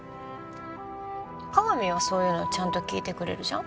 加賀美はそういうのちゃんと聞いてくれるじゃん？